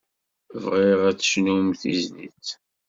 Bɣiɣ ad d-tecnumt tizlit.